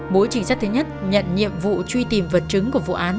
mỗi trình sát thứ nhất nhận nhiệm vụ truy tìm vật chứng của vụ án